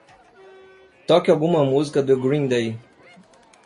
Toque alguma música do Green Day.